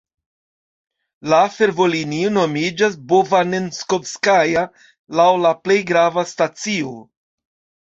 La fervojlinio nomiĝas Bovanenskovskaja laŭ la plej grava stacio.